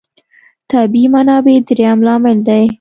طبیعي منابع درېیم لامل دی.